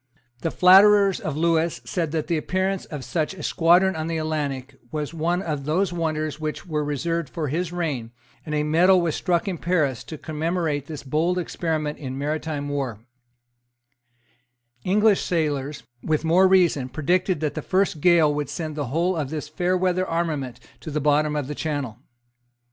The flatterers of Lewis said that the appearance of such a squadron on the Atlantic was one of those wonders which were reserved for his reign; and a medal was struck at Paris to commemorate this bold experiment in maritime war, English sailors, with more reason, predicted that the first gale would send the whole of this fairweather armament to the bottom of the Channel.